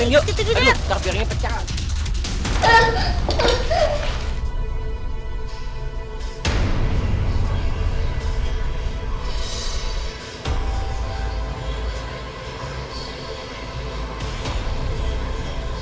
yuk yuk yuk